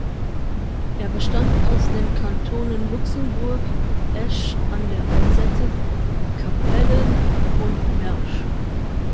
Er bestand aus den Kantonen Luxemburg, Esch an der Alzette, Capellen und Mersch.